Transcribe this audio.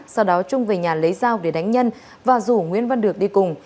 sau đó trung về nhà lấy dao để đánh nhân và rủ nguyễn văn được đi cùng